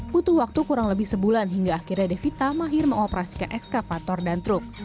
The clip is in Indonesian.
butuh waktu kurang lebih sebulan hingga akhirnya devita mahir mengoperasikan ekskavator dan truk